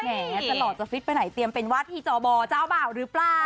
ตลอดจะฟิตไปไหนเตรียมเป็นวาดที่จอบอเจ้าบ่าวหรือเปล่า